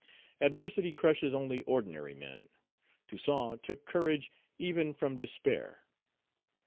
Adversity crushes only ordinary men. Toussaint took courage even from despair.